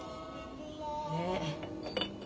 ねえ。